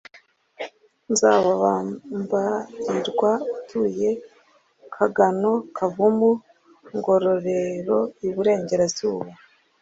Nzabambarirwa utuye KaganoKavumu NgororeroIburengerazuba